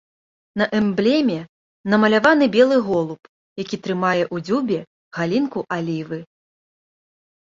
На эмблеме намаляваны белы голуб, які трымае ў дзюбе галінку алівы.